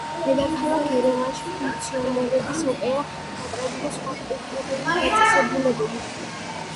დედაქალაქ ერევანში ფუნქციონირებს ოპერა, თეატრები და სხვა კულტურული დაწესებულებები.